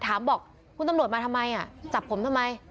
ถามบอกคุณตำรวจมาทำไมจับผมทำไม